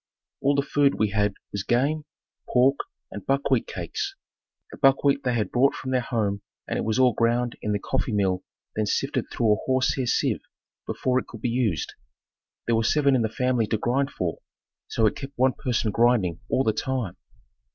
All the food we had was game, pork and buckwheat cakes. The buckwheat they had brought from their home and it was all ground in the coffee mill then sifted through a horsehair sieve before it could be used. There were seven in the family to grind for, so it kept one person grinding all the time.